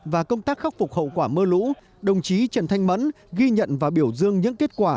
và công tác khắc phục hậu quả mưa lũ đồng chí trần thanh mẫn ghi nhận và biểu dương những kết quả